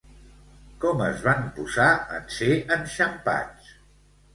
Com es van posar en ser enxampats?